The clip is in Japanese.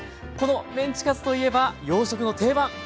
このメンチカツといえば洋食の定番。